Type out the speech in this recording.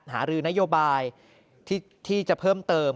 หารือนโยบายที่จะเพิ่มเติม